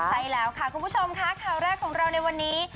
ใช่แล้วค่ะคุณผู้ชมค่ะข่าวแรกของเราในวันนี้